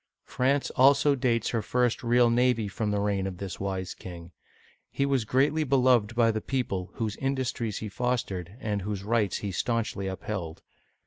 France also dates her first real navy from the reign of this wise king. He was greatly beloved by the people, whose industries he fos tered, and whose rights he stanchly upheld.